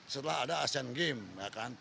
setelah ada asean games